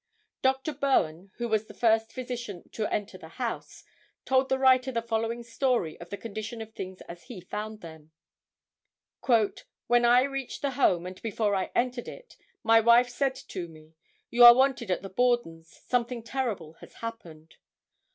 Dr. Bowen, who was the first physician to enter the house, told the writer the following story of the condition of things as he found them. [Illustration: DR. S. W. BOWEN.] "When I reached my home, and before I entered it, my wife said to me, 'you are wanted at the Borden's, something terrible has happened.